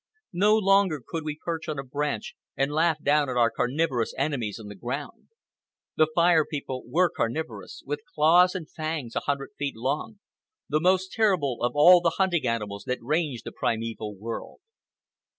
No longer could we perch on a branch and laugh down at our carnivorous enemies on the ground. The Fire People were carnivorous, with claws and fangs a hundred feet long, the most terrible of all the hunting animals that ranged the primeval world.